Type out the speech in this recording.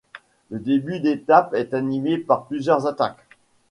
Le début d'étape est animé par plusieurs attaques.